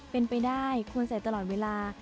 เป็นไปได้ควรใส่ตลอดเวลา